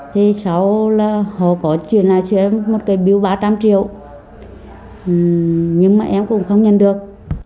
thế sau là họ có chuyển lại cho em một cái biếu ba trăm linh triệu nhưng mà em cũng không nhận được